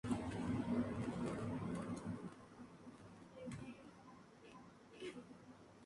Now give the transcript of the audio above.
Han aparecido otros personajes conocidos y de otros universos.